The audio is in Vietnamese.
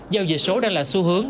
giao dịch số đang là xu hướng